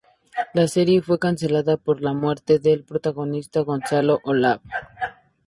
La serie fue cancelada por la muerte del protagonista Gonzalo Olave.